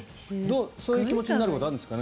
そういう思いになることはあるんですか？